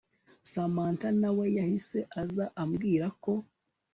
Samantha nawe yahise aza ambwira ko